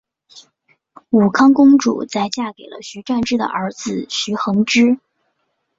武康公主在嫁给了徐湛之的儿子徐恒之。